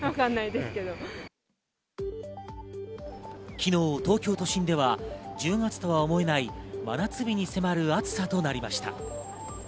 昨日、東京都心では１０月とは思えない真夏日に迫る暑さとなりました。